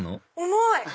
重い！